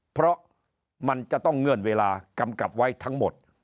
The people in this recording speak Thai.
เพราะมันจะต้องเงื่อนเวลากำกับไว้ทั้งหมด